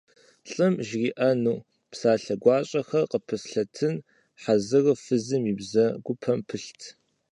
Лӏым жриӀэну псалъэ гуащӀэхэр къыпылъэтын хьэзыру фызым и бзэгупэм пылът.